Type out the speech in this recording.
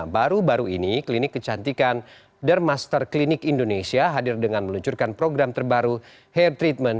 baru baru ini klinik kecantikan dermaster klinik indonesia hadir dengan meluncurkan program terbaru hair treatment